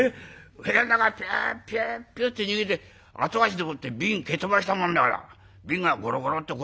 「部屋からピュピュピュッて逃げて後足でもって瓶蹴飛ばしたもんだから瓶がゴロゴロッと転がってよ。